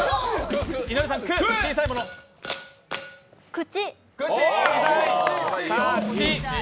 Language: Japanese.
口。